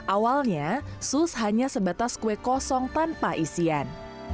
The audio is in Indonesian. awalnya sus hanya sebatas kue kosong tanpa isian